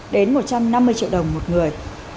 đến một trăm năm mươi triệu đồng một người